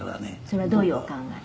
「それはどういうお考え？」